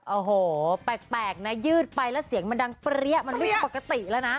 โอ้โหแปลกนะยืดไปแล้วเสียงมันดังเปรี้ยมันเรื่องปกติแล้วนะ